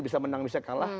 bisa menang bisa kalah